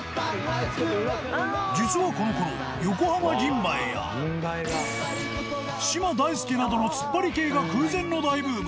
実はこの頃横浜銀蝿や嶋大輔などのツッパリ系が空前の大ブーム。